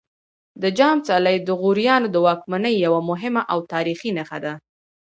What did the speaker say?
د جام څلی د غوریانو د واکمنۍ یوه مهمه او تاریخي نښه ده